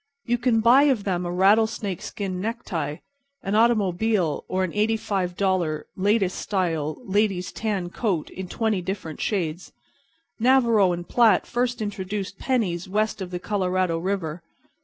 You can buy of them a rattlesnake skin necktie, an automobile or an eighty five dollar, latest style, ladies' tan coat in twenty different shades. Navarro & Platt first introduced pennies west of the Colorado River.